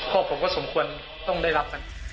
ข้อผมก็สมควรต้องได้รับ